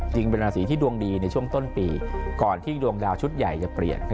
จริงเป็นราศีที่ดวงดีในช่วงต้นปีก่อนที่ดวงดาวชุดใหญ่จะเปลี่ยน